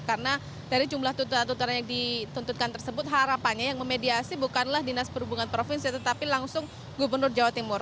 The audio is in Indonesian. karena dari jumlah tuntutan tuntutan yang dituntutkan tersebut harapannya yang memediasi bukanlah dinas perhubungan provinsi tetapi langsung gubernur jawa timur